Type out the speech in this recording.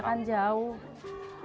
iya kan jauh